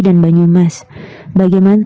dan banyumas bagaimana